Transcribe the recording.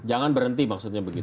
jangan berhenti maksudnya begitu